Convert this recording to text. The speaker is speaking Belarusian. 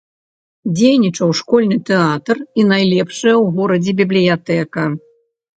Дзейнічаў школьны тэатр і найлепшая ў горадзе бібліятэка.